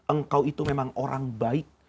engkau itu memang orang baik